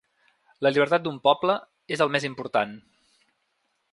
La llibertat d’un poble és el més important.